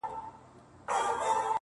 چي اوږدې نه کړي هیڅوک پښې له شړیو!!